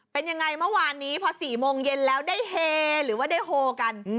เป็นยังไงเมื่อวานนี้พอ๔โมงเย็นแล้วได้เฮหรือว่าได้โฮกัน